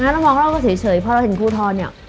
แล้วมองเล่าก็เฉยพอเราเห็นครูทรเนี่ย